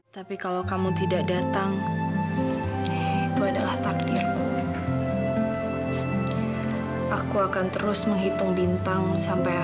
sampai jumpa di video selanjutnya